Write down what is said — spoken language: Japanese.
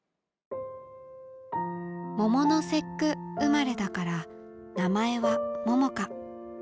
桃の節句生まれだから名前は桃佳。